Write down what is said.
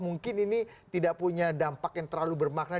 mungkin ini tidak punya dampak yang terlalu bermakna